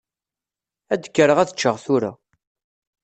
Ad kkreɣ ad ččeɣ tura.